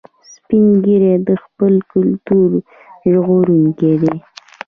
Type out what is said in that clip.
سپین ږیری د خپل کلتور ژغورونکي دي